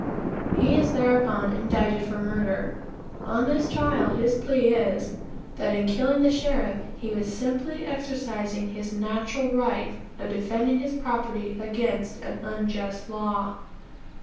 He is thereupon indicted for murder. On this trial his plea is, that in killing the sheriff, he was simply exercising his natural right of defending his property against an unjust law.